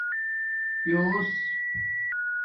پݸس